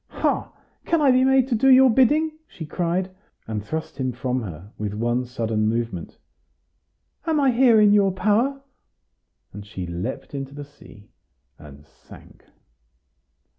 "Ha! can I be made to do your bidding?" she cried, and thrust him from her, with one sudden movement; "am I here in your power?" and she leaped into the sea, and sank.